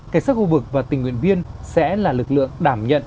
cảnh sát khu vực và tình nguyện viên sẽ là lực lượng đảm nhận